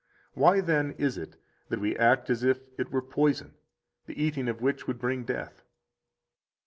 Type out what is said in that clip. Why, then, is it that we act as if it were a poison, the eating of which would bring death?